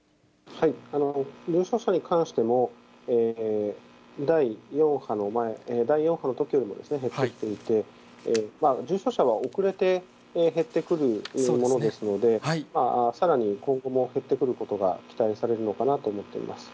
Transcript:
重症者に関しても、第４波の前、第４波のときよりも減っていて、重症者は遅れて減ってくるものですので、さらに今後も減ってくることが期待されるのかなと思っています。